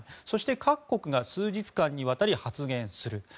そして各国が数日間にわたり発言する。